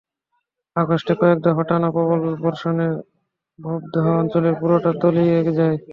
আগস্টে কয়েক দফা টানা প্রবল বর্ষণে ভবদহ অঞ্চলের পুরোটা তলিয়ে যায়।